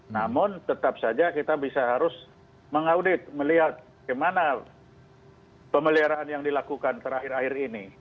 namun tetap saja kita bisa harus mengaudit melihat bagaimana pemeliharaan yang dilakukan terakhir akhir akhir ini